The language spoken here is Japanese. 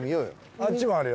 あっちもあるよ。